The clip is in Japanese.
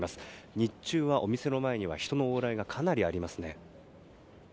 日中は、店の前には人の往来がかなりありますね。